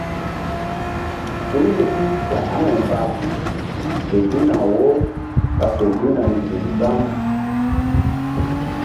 Huy luki ta aŋay mba fe ziŋna wo ɓa fe ziŋna nzukri gbam.